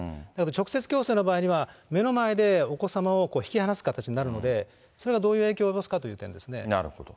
直接きょうせいの場合には、目の前でお子様を引き離す形になるので、それがどういう影響を及なるほど。